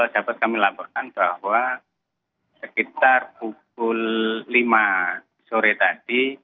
dapat kami laporkan bahwa sekitar pukul lima sore tadi